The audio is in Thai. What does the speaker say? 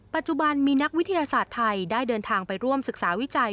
ปัจจุบันมีนักวิทยาศาสตร์ไทยได้เดินทางไปร่วมศึกษาวิจัย